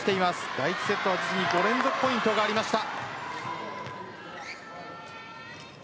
第１セットは５連続ポイントがありました。